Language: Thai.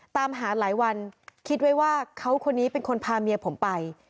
ตามหาหลายวันคิดไว้ว่าเขาคนนี้เป็นคนพาเมียผมไป